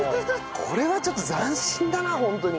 これはちょっと斬新だなホントに。